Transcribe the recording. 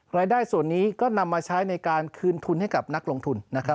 รายได้ส่วนนี้ก็นำมาใช้ในการคืนทุนให้กับนักลงทุนนะครับ